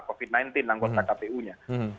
covid sembilan belas anggota kpu nya